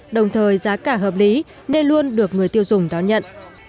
đồng thời giá cả hợp lý nên luôn được người tiêu dùng đón nhận